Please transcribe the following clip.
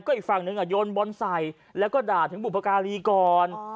อีกฝั่งหนึ่งโยนบอลใส่แล้วก็ด่าถึงบุพการีก่อน